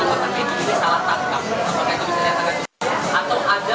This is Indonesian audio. jadi kita juga sedang bertanya tanya